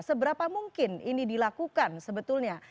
seberapa mungkin ini dilakukan sebetulnya